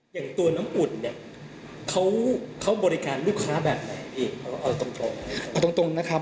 อย่างตัวน้ำอุ่นเนี่ยเขาบริการลูกค้าแบบไหนอีกเอาตรงตรงเอาตรงตรงนะครับ